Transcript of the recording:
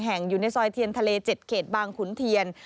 แห่งอยู่ในซอยเทียนทะเล๗เขตบางขุนเทียน